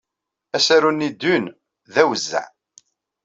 Asaru-nni Dune d awezzeɛ!